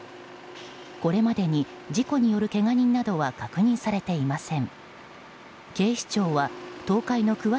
これまでに、事故によるけが人などは確認されていません。